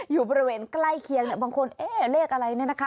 อยู่บริเวณใกล้เคียงบางคนเลขอะไรนี่นะคะ